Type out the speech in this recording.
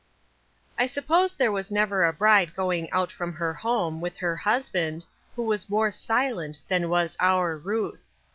SUPPOSE there was never a bride going out from her home, with her husband, who was more silent than was our Ruth.